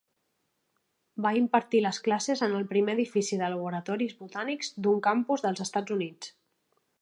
Va impartir les classes en el primer edifici de laboratoris botànics d'un campus dels Estats Units.